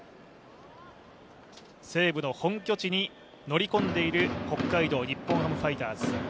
西武の本拠地に乗り込んでいる北海道日本ハムファイターズ。